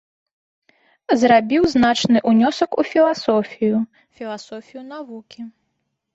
Зрабіў значны ўнёсак у філасофію, філасофію навукі.